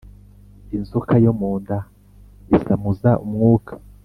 Inzoka yo mu nda isamuza umwuka,